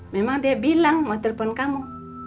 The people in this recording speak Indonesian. memang dia bilang mau telepon kamu